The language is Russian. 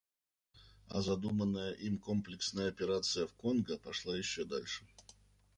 А задуманная им комплексная операция в Конго пошла еще дальше.